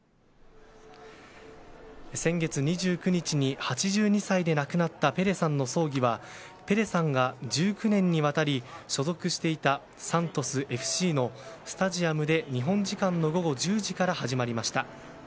先月、２９日に８２歳で亡くなったペレさんの葬儀はペレさんが１９年にわたり所属していたサントスＦＣのスタジアムで日本時間の午後１０時から始まりました。